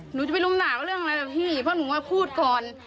หนูจะไปรุมหนาวเรื่องอะไรกับพี่เพราะหนูมาพูดก่อน